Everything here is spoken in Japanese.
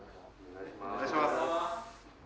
お願いします。